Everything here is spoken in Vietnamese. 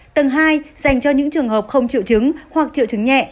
tầng hai dành cho những trường hợp không triệu chứng hoặc triệu chứng nhẹ